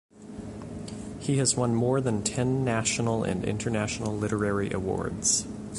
He was won more than ten national and international literary awards.